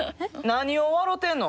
何を笑てんの？